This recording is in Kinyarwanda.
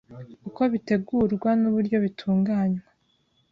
Uko bitegurwa nuburyo bitunganywa